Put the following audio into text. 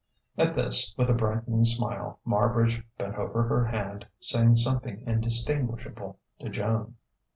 At this, with a brightening smile, Marbridge bent over her hand, saying something indistinguishable to Joan.